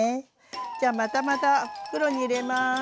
じゃまたまた袋に入れます。